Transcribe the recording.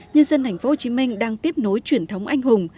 nhân dân thành phố hồ chí minh đang tiếp nối truyền thống anh hùng